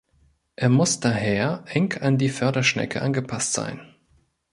Er muss daher eng an die Förderschnecke angepasst sein.